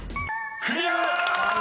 ［クリア！］